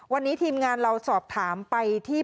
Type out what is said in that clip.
วันนี้ทีมงานเราสอบถามไปที่